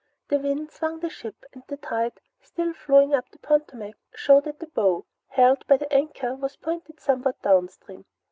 The wind swung the ship, and the tide, still flowing up the Potomac, showed that the bow, held by the anchor, was pointed somewhat downstream.